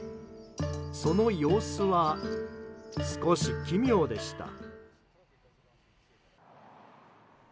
その様子は少し奇妙でした。